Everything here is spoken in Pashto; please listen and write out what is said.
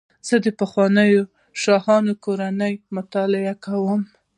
زه د پخوانیو شاهي کورنیو تاریخ مطالعه کوم.